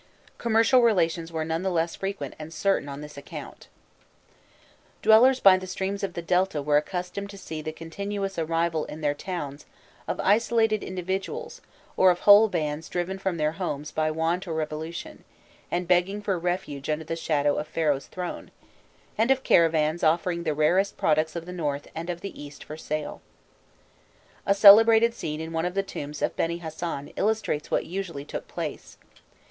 Commercial relations were none the less frequent and certain on this account. [Illustration: 327.jpg THE WOMEN PASSING BY IN PROCESSION, IN CHARGE OF A WARRIOR AND OF A MAN PLAYING UPON THE LYRE] Dwellers by the streams of the Delta were accustomed to see the continuous arrival in their towns of isolated individuals or of whole bands driven from their homes by want or revolution, and begging for refuge under the shadow of Pharaoh's throne, and of caravans offering the rarest products of the north and of the east for sale. A celebrated scene in one of the tombs of Beni Hasan illustrates what usually took place.